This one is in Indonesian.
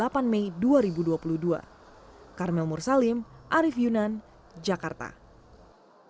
kementerian perhubungan memperkenalkan puncak arus balik untuk menjaga keamanan dan keamanan di jepang